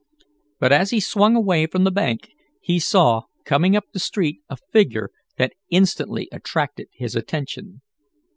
But, as he swung away from the bank, he saw, coming up the street a figure that instantly attracted his attention.